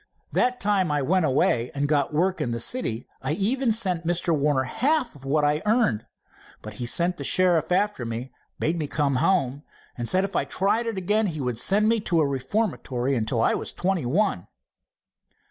"That time I went away and got work in the city, I even sent Mr. Warner half of what I earned, but he sent the sheriff after me, made me come home, and said if I tried it again he would send me to a reformatory till I was twenty one."